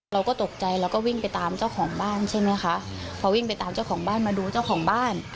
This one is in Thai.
เราก็ตกใจเราก็วิ่งไปตามเจ้าของบ้านใช่ไหมคะพอวิ่งไปตามเจ้าของบ้านมาดูเจ้าของบ้าน